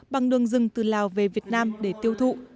bằng đường rừng từ lào về việt nam để tiêu thụ